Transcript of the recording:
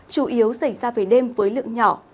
chủ yếu xảy ra về đêm với lượng nhỏ